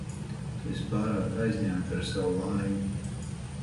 Tu esi pārāk aizņemta ar savu laimi.